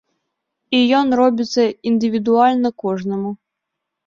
І ён робіцца індывідуальна кожнаму.